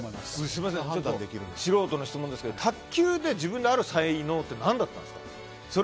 すみません、素人質問ですけど卓球で、自分にある才能って何だったんですか？